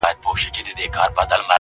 چي زاغان مي خوري ګلشن او غوټۍ ورو ورو.!